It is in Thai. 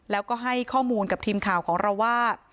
แล้วก็ให้ข้อมูลกับทีมข่าวของเราว่า